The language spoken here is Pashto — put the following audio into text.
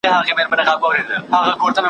د چا لاس چي د خپل قام په وینو سور وي ,